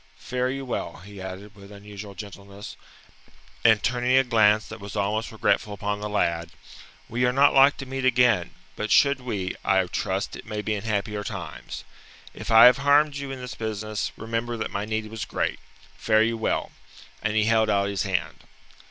Fare you well," he added with unusual gentleness, and turning a glance that was almost regretful upon the lad. "We are not like to meet again, but should we, I trust it may be in happier times. If I have harmed you in this business, remember that my need was great. Fare you well." And he held out his hand.